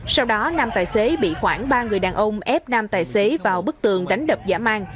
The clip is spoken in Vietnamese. sau đó nam tài xế bị khoảng ba người đàn ông ép nam tài xế vào bức tường đánh đập giả mang